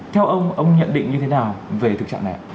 theo ông ông nhận định như thế nào về thực trạng này ạ